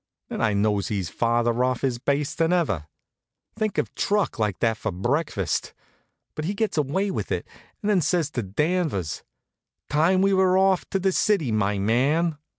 Then I knows he's farther off his base than ever. Think of truck like that for breakfast! But he gets away with it, and then says to Danvers: "Time we were off for the city, my man."